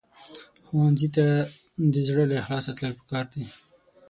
ښوونځی ته د زړه له اخلاصه تلل پکار دي